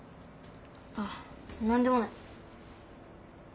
あっなんでもない。